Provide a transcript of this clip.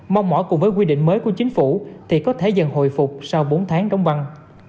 mong mỏi cùng với quy định mới của chính phủ thì có thể dần hồi phục sau bốn tháng đóng băng